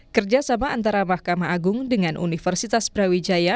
kerjasama antara mahkamah agung dengan universitas brawijaya